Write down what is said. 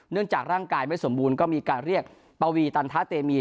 จากร่างกายไม่สมบูรณ์ก็มีการเรียกปวีตันทะเตมี